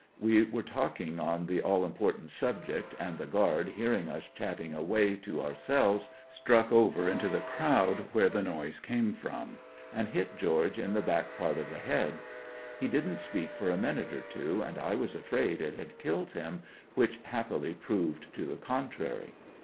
We were talking on the all important subject, and the guard hearing us chatting away to ourselves struck over into the croud where the noise came from and hit George in the back part of the head. He didn't speak for a minute or two and I was afraid it had killed him, which happily proved to the contrary.